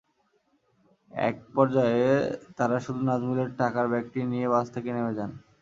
একপর্যায়ে তাঁরা শুধু নাজমুলের টাকার ব্যাগটি নিয়ে বাস থেকে নেমে যান।